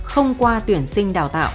không qua tuyển sinh đào tạo